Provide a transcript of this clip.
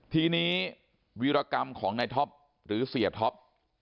ทีนี้วีรกรรมของนายท็อปหรือเสียท็อป